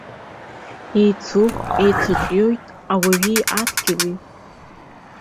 Еицуп, еицҿиоит ауаҩи адгьыли.